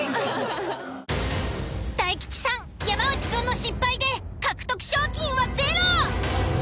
大吉さん山内くんの失敗で獲得賞金はゼロ！